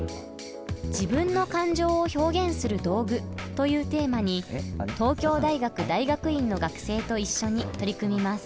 「自分の感情を表現する道具」というテーマに東京大学大学院の学生と一緒に取り組みます。